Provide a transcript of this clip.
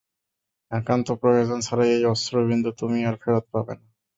একান্ত প্রয়োজন ছাড়া এই অশ্রুবিন্দু তুমি আর ফেরত পাবে না।